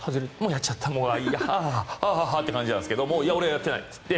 やっちゃったああという感じなんですけどいや俺はやってないって言って。